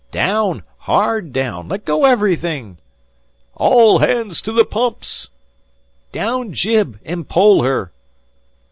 "Daown! Hard daown! Let go everything!" "All hands to the pumps!" "Daown jib an' pole her!"